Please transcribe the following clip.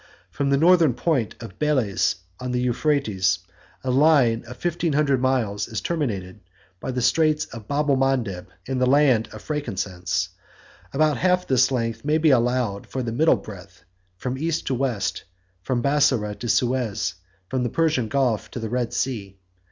From the northern point of Beles 3 on the Euphrates, a line of fifteen hundred miles is terminated by the Straits of Bebelmandel and the land of frankincense. About half this length may be allowed for the middle breadth, from east to west, from Bassora to Suez, from the Persian Gulf to the Red Sea.